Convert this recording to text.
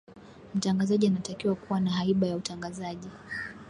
mtangazaji anatakiwa kuwa na haiba ya utangazaji